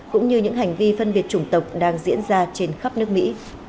cũng như những hành vi phân biệt chủng tộc đang diễn ra trên khắp nước mỹ